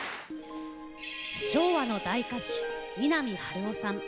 昭和の大歌手三波春夫さん